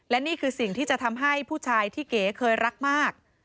และนี่คือสิ่งที่จะทำให้ผู้ชายที่เก๋เคยรักมาก